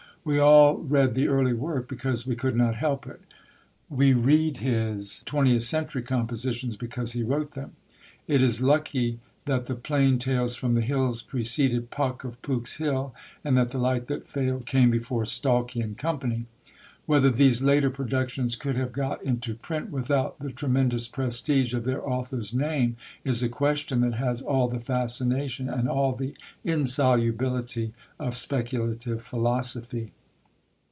We all read the early work because we could not help it; we read his twentieth century compositions because he wrote them. It is lucky that the Plain Tales from the Hills preceded Puck of Pook's Hill, and that The Light that Failed came before Stalky and Co. Whether these later productions could have got into print without the tremendous prestige of their author's name, is a question that has all the fascination and all the insolubility of speculative philosophy.